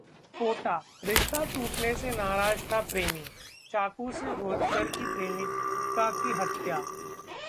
कोटाः रिश्ता टूटने से नाराज था प्रेमी, चाकू से गोदकर की प्रेमिका की हत्या